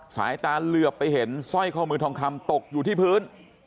สายตาเหลือไปเห็นสร้อยข้อมือทองคำตกอยู่ที่พื้น